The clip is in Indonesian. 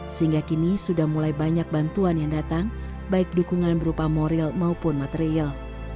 sehingga kini sudah mulai banyak bantuan yang datang baik dukungan berupa moral maupun material